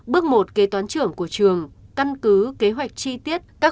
bước một kế toán trưởng của trường căn cứ kế hoạch chi tiết các